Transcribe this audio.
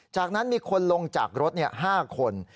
จากนั้นมีคนลงจากรถ๕คน